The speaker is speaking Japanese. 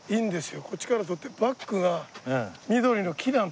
こっちから撮ってバックが緑の木なんですよ。